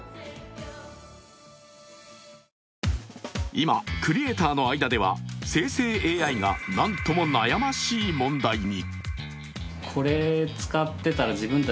今、クリエーターの間では生成ＡＩがなんとも悩ましい問題に。